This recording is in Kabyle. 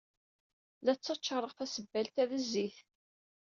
La ttacaṛeɣ tasebbalt-a d zzit.